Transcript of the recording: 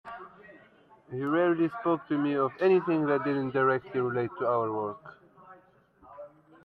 He rarely spoke to me of anything that didn't directly relate to our work.